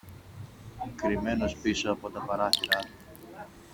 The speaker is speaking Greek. Κρυμμένος πίσω από τα παράθυρα του